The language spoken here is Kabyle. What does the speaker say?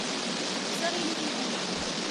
Kkes aɣilif i wul-im.